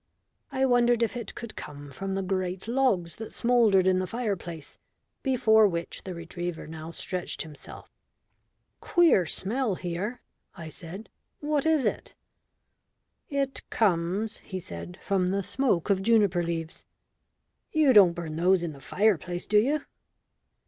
I wondered if it could come from the great logs that smouldered in the fireplace, before which the retriever now stretched himself. "Queer smell here," I said. "What is it?" "It comes," he said, "from the smoke of juniper leaves." "You don't burn those in the fireplace, do you?"